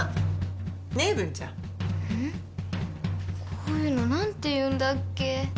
こういうの何て言うんだっけ？